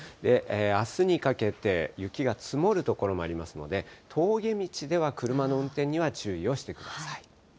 あすにかけて、雪が積もる所もありますので、峠道では車の運転には注意をしてください。